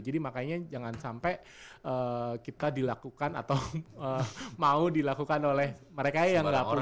jadi makanya jangan sampai kita dilakukan atau mau dilakukan oleh mereka yang enggak punya